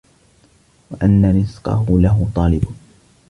وَأَنَّ رِزْقَهُ لَهُ طَالِبٌ